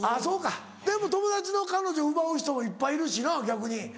そうかでも友達の彼女奪う人もいっぱいいるしな逆に。